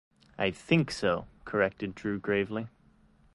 "I think so," corrected Drew gravely.